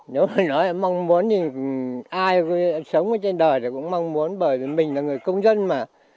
nếu mà nói mong muốn thì ai có sống trên đời thì cũng mong muốn bởi vì mình là người công dân mà